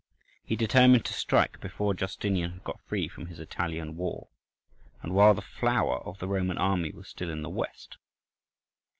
He determined to strike before Justinian had got free from his Italian war, and while the flower of the Roman army was still in the West.